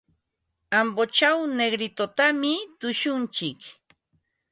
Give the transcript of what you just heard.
Ambochaw Negritotami tushuntsik.